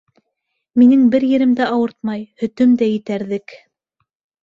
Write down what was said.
Минең бер ерем дә ауыртмай, һөтөм дә етәрҙек...